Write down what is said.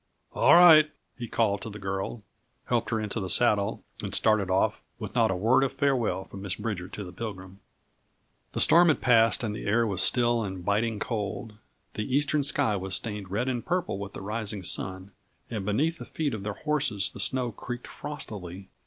"All right," he called to the girl; helped her into the saddle and started off, with not a word of farewell from Miss Bridger to the Pilgrim. The storm had passed and the air was still and biting cold. The eastern sky was stained red and purple with the rising sun, and beneath the feet of their horses the snow creaked frostily.